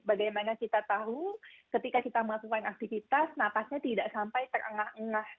bagaimana kita tahu ketika kita melakukan aktivitas napasnya tidak sampai terengah engah